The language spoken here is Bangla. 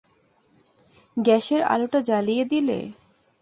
গ্যাসের আলোটা জ্বালিয়ে দিলে।